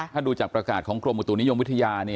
ถ้าดูจากประกาศของกรมอุตุนิยมวิทยา